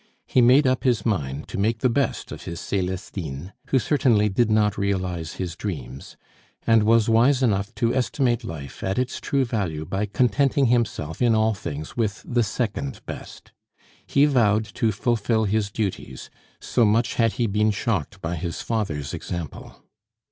He made up his mind to make the best of his Celestine who certainly did not realize his dreams and was wise enough to estimate life at its true value by contenting himself in all things with the second best. He vowed to fulfil his duties, so much had he been shocked by his father's example.